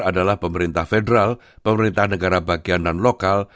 adalah pemerintah federal pemerintah negara bagian dan lokal